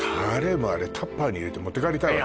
もうあれタッパーに入れて持って帰りたいわね